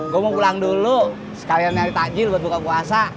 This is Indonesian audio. gue mau pulang dulu sekalian nyari takjil buat buka puasa